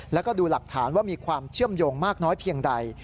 แล้วก็ดูหลักฐานว่ามีความเชื่อมโยงมากน้อยเพียงใด